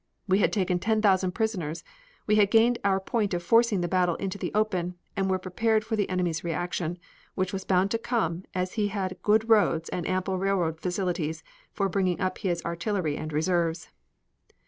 We had taken 10,000 prisoners, we had gained our point of forcing the battle into the open and were prepared for the enemy's reaction, which was bound to come as he had good roads and ample railroad facilities for bringing up his artillery and reserves.